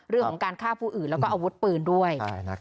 เรื่องของการฆ่าผู้อื่นแล้วก็อาวุธปืนด้วย